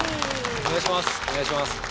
お願いします。